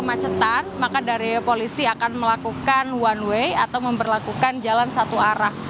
kemacetan maka dari polisi akan melakukan one way atau memperlakukan jalan satu arah